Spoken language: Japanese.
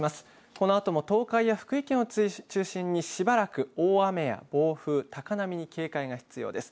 このあとも東海や福井県を中心に、しばらく大雨や暴風、高波に警戒が必要です。